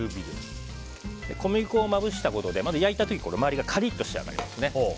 小麦粉をまぶしたことで焼いた時に周りがカリッと仕上がりますね。